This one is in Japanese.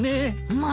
まあ。